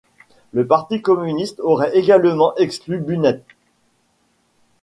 Le Parti communiste aurait également exclu Bunet.